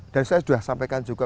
dan saya sudah sampaikan juga